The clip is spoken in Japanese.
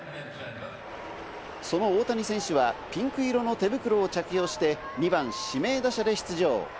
その大谷選手はピンク色の手袋を着用して２番・指名打者で出場。